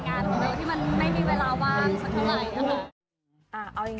งานของเบลล์ที่มันไม่มีเวลาว่างสักเท่าไหร่